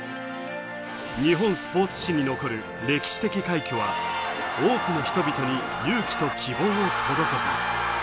日本スポーツ史に残る歴史的快挙は、多くの人々に勇気と希望を届けた。